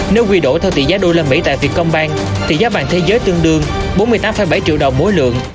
nếu quy đổi theo tỷ giá usd tại vietcombank thì giá vàng thế giới tương đương bốn mươi tám bảy triệu đồng mỗi lượng